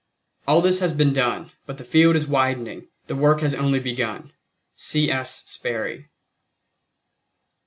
All this has been done, but the field is widening, the work has only begun. C. S. SPERRY.